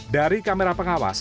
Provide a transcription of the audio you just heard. dari kamera pengawas